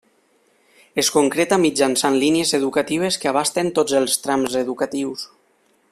Es concreta mitjançant línies educatives que abasten tots els trams educatius.